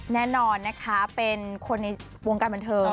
แน่นอนนะคะเป็นคนในวงการบันเทิง